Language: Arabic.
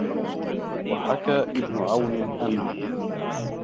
وَحَكَى ابْنُ عَوْنٍ أَنَّ